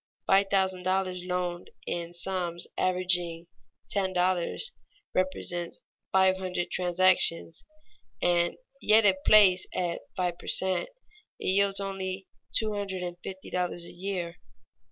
Five thousand dollars loaned in sums averaging ten dollars represents five hundred transactions, and yet if placed at five per cent, it yields but two hundred and fifty dollars a year.